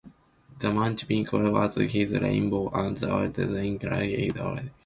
The Munich Pinakothek has his "Rainbow" and the Dresden Gallery his "Old Age".